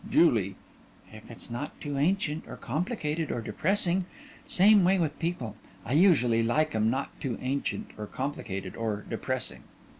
JULIE: If it's not too ancient or complicated or depressing. Same way with people. I usually like 'em not too ancient or complicated or depressing.